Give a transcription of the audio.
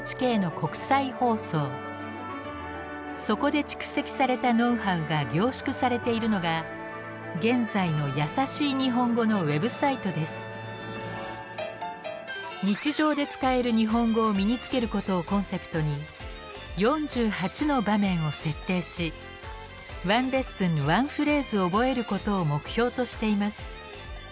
そこで蓄積されたノウハウが凝縮されているのが現在の日常で使える日本語を身につけることをコンセプトに４８の場面を設定し１レッスンに１フレーズ覚えることを目標としています。